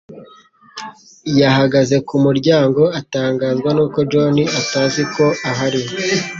Yahagaze ku muryango, atangazwa nuko John atazi ko ahari.